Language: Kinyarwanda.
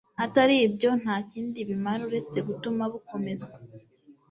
atari byo nta kindi bimara uretse gutuma mukomeza